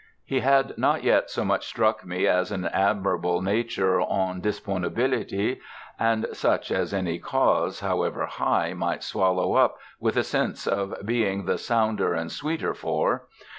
He had not yet so much struck me as an admirable nature en disponibilite and such as any cause, however high, might swallow up with a sense of being the sounder and sweeter for.